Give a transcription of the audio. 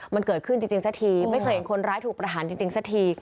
มันเกิดขึ้นจริงสักทีไม่เคยเห็นคนร้ายถูกประหารจริงสักที